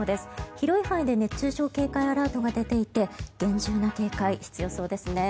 広い範囲で熱中症警戒アラートが出ていて厳重な警戒、必要そうですね。